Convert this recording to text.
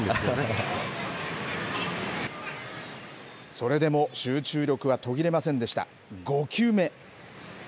それでも集中力は途切れませんでした。